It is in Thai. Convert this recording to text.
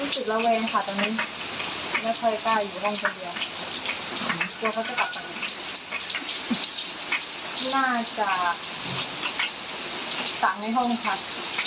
ใช่ครับ